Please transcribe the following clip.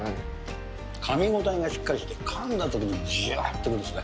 かみごたえがしっかりして、かんだときにじゅわっとくるんですね。